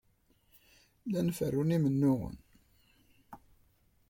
Llan ferrun imennuɣen.